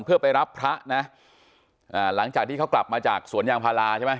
เพื่อไปรับพระนะอ่าหลังจากที่เขากลับมาจากสวนยางพาราใช่ไหม